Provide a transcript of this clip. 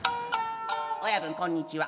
「親分こんにちは」。